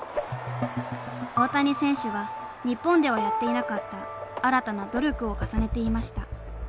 大谷選手は日本ではやっていなかった新たな努力を重ねていました。